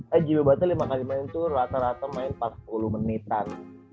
eh jiwa batu lima kali main tuh rata rata main empat puluh menitan